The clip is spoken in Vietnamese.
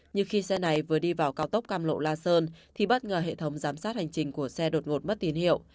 nhưng khi xe này vừa đi vào cao tốc cam lộ la sơn thì bất ngờ hệ thống giám sát hành trình của xe đột ngột mất tín hiệu